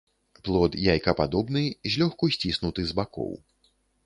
Плод яйкападобны, злёгку сціснуты з бакоў.